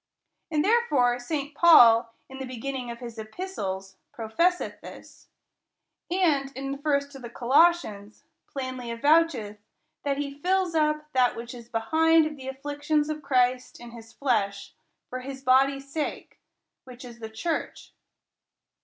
And therefore St. Paul, in the beginning of his epistles, professeth this : and, in the first to the Colossians, plainly avoucheth that he fills up that which is behind of the afflictions of Christ in his flesh, for his body's sake, which is the church.